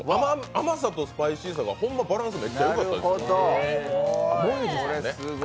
甘さとスパイシーさが、ほんまバランスめっちゃよかったです。